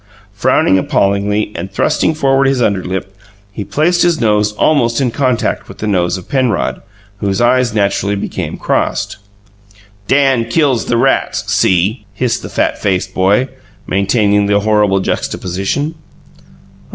Frowning appallingly, and thrusting forward his underlip, he placed his nose almost in contact with the nose of Penrod, whose eyes naturally became crossed. "Dan kills the rats. See?" hissed the fat faced boy, maintaining the horrible juxtaposition.